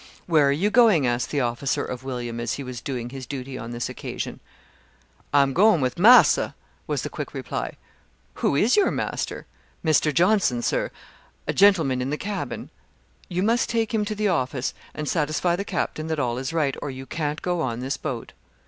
"Where are you going?" asked the officer of William, as he was doing his duty on this occasion. "I am going with marser," was the quick reply. "Who is your master?" "Mr. Johnson, sir, a gentleman in the cabin." "You must take him to the office and satisfy the captain that all is right, or you can't go on this boat."